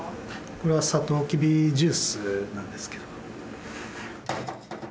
これはサトウキビジュースなんですけど。